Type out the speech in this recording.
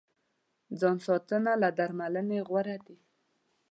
ځان ساتنه له درملنې غوره ده.